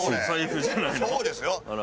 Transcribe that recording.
そうですよ。